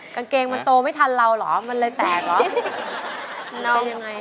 กางเกงมันโตไม่ทันเราเหรอมันเลยแตกเหรอ